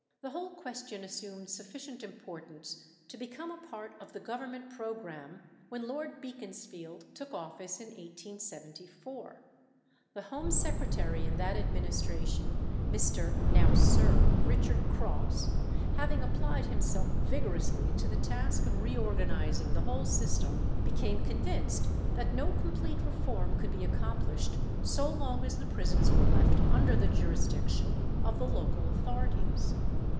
The whole question assumed sufficient importance to become a part of the Government programme when Lord Beaconsfield took office in 1874. The Home Secretary in that administration, Mr. (now Sir Richard) Cross, having applied himself vigorously to the task of reorganizing the whole system, became convinced that no complete reform could be accomplished so long as the prisons were left under the jurisdiction of the local authorities.